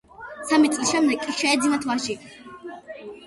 სამი წლის შემდეგ კი შეეძნათ ვაჟი.